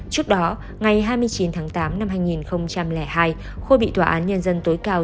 trước đó ngày hai mươi chín tháng tám năm hai nghìn hai khôi bị tòa án nhân dân tối cao